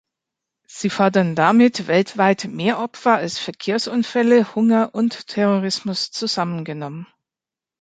Sie fordern damit weltweit mehr Opfer als Verkehrsunfälle, Hunger und Terrorismus zusammengenommen.